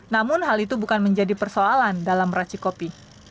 namun hal itu bukan menjadi persoalan dalam raci kopi